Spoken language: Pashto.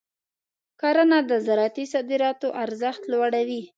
کرنه د زراعتي صادراتو ارزښت لوړوي.